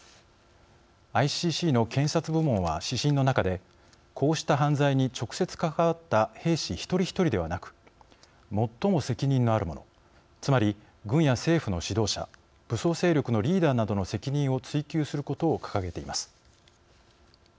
ＩＣＣの検察部門は指針の中でこうした犯罪に直接関わった兵士一人一人ではなく最も責任のある者つまり、軍や政府の指導者武装勢力のリーダーなどの責任を追及することを掲げています。